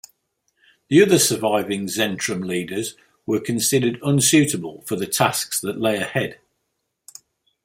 The other surviving "Zentrum" leaders were considered unsuitable for the tasks that lay ahead.